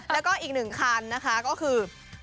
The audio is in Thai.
แล้วก็อีกหนึ่งคันนะคะก็คือ